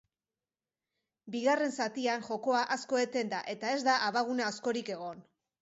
Bigarren zatian jokoa asko eten da, eta ez da abagune askorik egon.